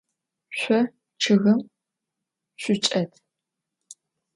Şso ççıgım şsuçç'et.